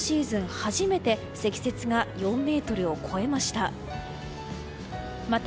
初めて積雪が４ｍを超えました。